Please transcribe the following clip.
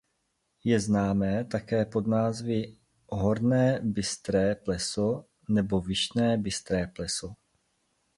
Je známé také pod názvy Horné Bystré pleso nebo Vyšné Bystré pleso.